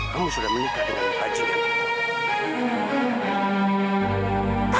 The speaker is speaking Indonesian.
kamu sudah menikah dengan kajian itu